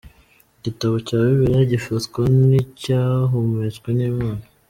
Igitabo cya Bibiliya gifatwa nkicyahumetswe n’Imana.